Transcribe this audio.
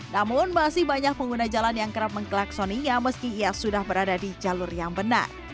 namun masih banyak pengguna jalan yang kerap menggelaksoninya meski ia sudah berada di jalur yang benar